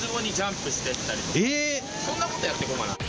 え⁉そんなことやってこうかな。